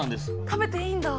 食べていいんだ？